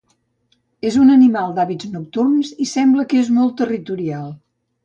És un animal d'hàbits nocturns i sembla que és molt territorial.